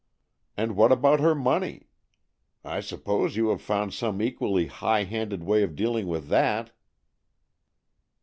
And what about her money? I suppose you have found some equally high handed way of dealing with that.